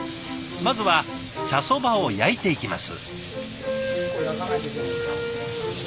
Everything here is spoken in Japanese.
まずは茶そばを焼いていきます。